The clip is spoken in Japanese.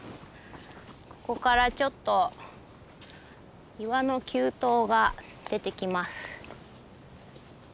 ここからちょっと岩の急登が出てきます。